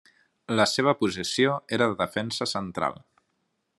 La seua posició era de defensa central.